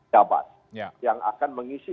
jabat yang akan mengisi